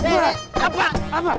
ketur rumah cukup marah